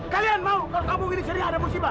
kalian mau kalau kamu ini sedih ada musibah